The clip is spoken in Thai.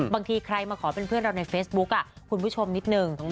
บางทีใครมาขอเป็นเพื่อนเราในเฟซบุ๊คคุณผู้ชมนิดนึง